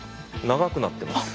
長くなってます。